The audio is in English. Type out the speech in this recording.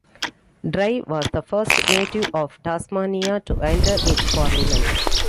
Dry was the first native of Tasmania to enter its parliament.